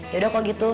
yaudah kok gitu